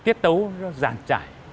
tiết tấu giàn trải